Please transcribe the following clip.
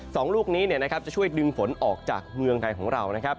สองลูกนี้จะช่วยดึงฝนออกจากเมืองไทยของเรานะครับ